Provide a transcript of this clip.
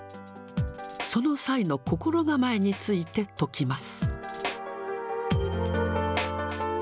その際の心構えについて説きます。